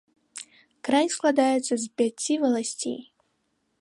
Край складаецца з пяці валасцей.